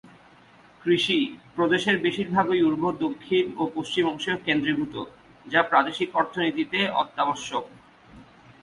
কৃষি, প্রদেশের বেশিরভাগই উর্বর দক্ষিণ ও পশ্চিম অংশে কেন্দ্রীভূত, যা প্রাদেশিক অর্থনীতিতে অত্যাবশ্যক।